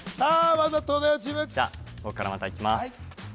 まずは東大王チームじゃあ僕からまたいきます